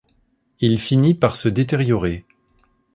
Il finit par se détériorer.